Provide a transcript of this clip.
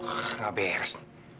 wah gak beres